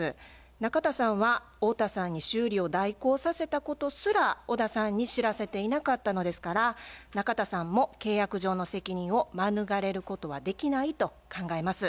中田さんは太田さんに修理を代行させたことすら小田さんに知らせていなかったのですから中田さんも契約上の責任を免れることはできないと考えます。